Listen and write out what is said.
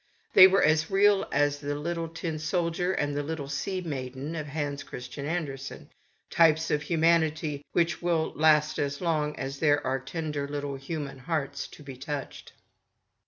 They were as real as the little Tin Soldier and the little Sea maiden of Hans Christian Andersen, types of humanity which will last as long as there are tender little human hearts to be touched.